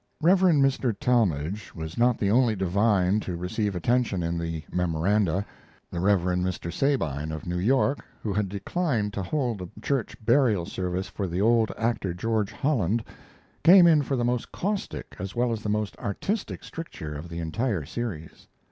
Reverend Mr. Talmage was not the only divine to receive attention in the "Memoranda." The Reverend Mr. Sabine, of New York, who had declined to hold a church burial service for the old actor, George Holland, came in for the most caustic as well as the most artistic stricture of the entire series.